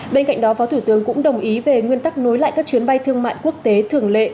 bên cạnh đó phó thủ tướng cũng đồng ý về nguyên tắc nối lại các chuyến bay thương mại quốc tế thường lệ